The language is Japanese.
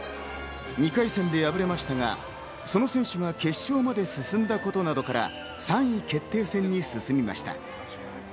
２回戦で敗れましたがその選手が決勝まで進んだことなどから、３位決定戦に進みました。